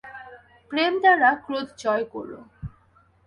প্রেম দ্বারা ক্রোধ জয় কর।